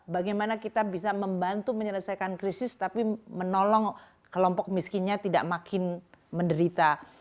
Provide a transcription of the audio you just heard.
bagaimana kita bisa membantu menyelesaikan krisis tapi menolong kelompok miskinnya tidak makin menderita